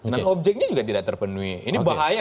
dan objeknya juga tidak terpenuhi